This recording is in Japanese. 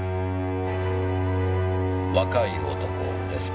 若い男ですか。